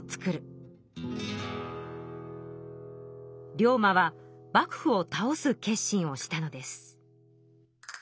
龍馬は幕府を倒す決心をしたのです。